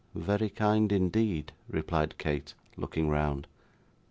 'Very kind, indeed,' replied Kate, looking round.